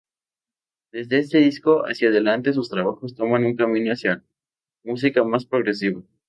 Desde este disco hacia adelante, sus trabajos toman un camino hacia música más progresiva.